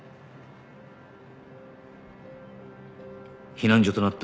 避難所となった